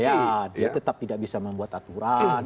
ya dia tetap tidak bisa membuat aturan